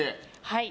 はい。